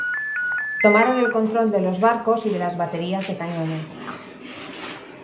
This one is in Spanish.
Tomaron el control de los barcos y de las baterías de cañones.